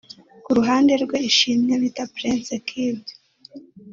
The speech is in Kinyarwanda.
Ku ruhande rwe Ishimwe bita Prince Kid